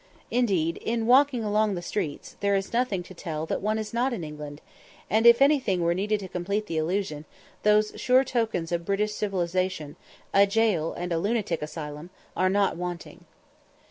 Indeed, in walking along the streets, there is nothing to tell that one is not in England; and if anything were needed to complete the illusion, those sure tokens of British civilisation, a jail and a lunatic asylum, are not wanting.